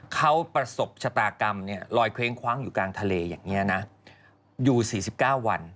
เขาประสบชะตากรรมลอยเคว้งคว้างอยู่กลางทะเลอย่างนี้นะอยู่๔๙วัน